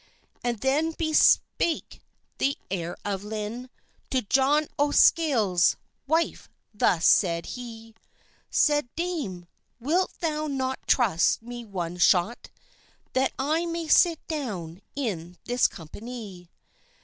And then bespake the heire of Lynne To John o' the Scales wife thus sayd hee, Sayd "Dame, wilt thou not trust me one shott That I may sit downe in this company?"